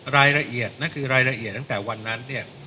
รายละเอียดนั่นคือรายละเอียดตั้งแต่วันนั้นเนี่ย